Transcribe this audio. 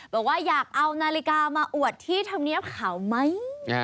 บอกว่าอยากเอานาฬิกามาอวดที่ธรรมเนียบเขาไหม